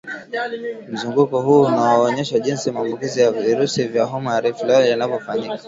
Mzunguko huu unaoonyesha jinsi maambukizi ya virusi vya homa ya Rift Valley yanavyofanyika